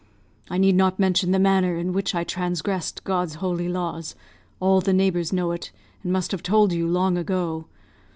I need not mention the manner in which I transgressed God's holy laws; all the neighbours know it, and must have told you long ago.